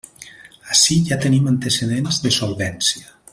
Ací ja tenim antecedents de solvència.